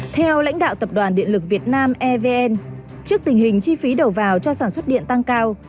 theo lãnh đạo tập đoàn điện lực việt nam evn trước tình hình chi phí đầu vào cho sản xuất điện tăng cao